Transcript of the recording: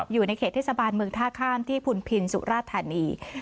อยู่ในเขตเทศบาลเมืองท่าข้ามที่พุนพินสุราธานี